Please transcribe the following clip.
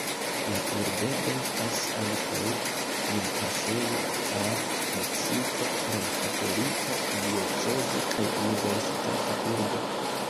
La urbego estas ankaŭ limpasejo al Meksiko, romkatolika diocezo kaj universitata urbo.